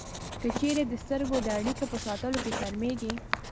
که چېرې د سترګو د اړیکې په ساتلو کې شرمېږئ